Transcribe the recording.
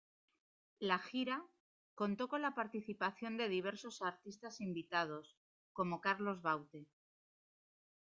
La gira contó con la participación de diversos artistas invitados como Carlos Baute.